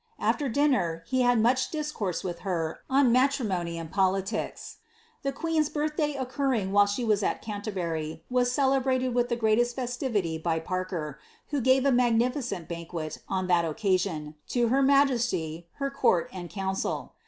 After dinner, lie had much discourse with her on matrimouy and politics.' The queen's birth day occurring while she was at Canterbury, was celebrated viih the greatest festivity by Parker, who gave a magnificent banquet, on that occasion, to her majesty, and her court and council.